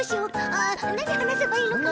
あなにはなせばいいのかな？